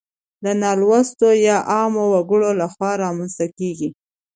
د نالوستو يا عامو وګړو لخوا رامنځته کيږي.